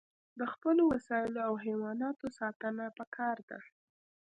د خپلو وسایلو او حیواناتو ساتنه پکار ده.